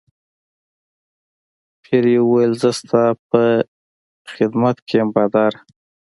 پیري وویل زه ستا په خدمت کې یم باداره.